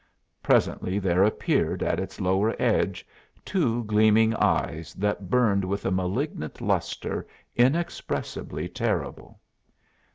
Presently there appeared at its lower edge two gleaming eyes that burned with a malignant lustre inexpressibly terrible!